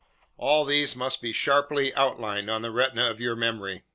All these must be sharply outlined on the retina of your memory.